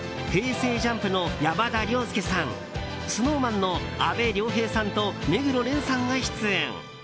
ＪＵＭＰの山田涼介さんＳｎｏｗＭａｎの阿部亮平さんと目黒蓮さんが出演。